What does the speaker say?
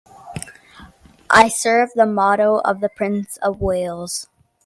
I serve the motto of the Prince of Wales.